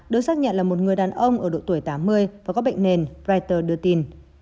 được xác nhận là một người đàn ông ở độ tuổi tám mươi và có bệnh nền reuters đưa tin